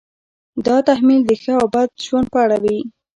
دا تحمیل د ښه او بد ژوند په اړه وي.